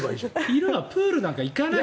昼はプールなんか行かない。